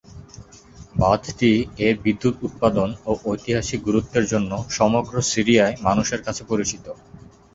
বাঁধটি এর বিদ্যুৎ উৎপাদন ও ঐতিহাসিক গুরুত্বের জন্য সমগ্র সিরিয়ায় মানুষের কাছে পরিচিত।